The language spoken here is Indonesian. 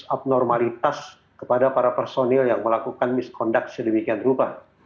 abnormalitas kepada para personil yang melakukan miskondaksi demikian rupa